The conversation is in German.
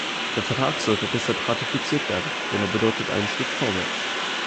Der Vertrag sollte deshalb ratifiziert werden, denn er bedeutet einen Schritt vorwärts.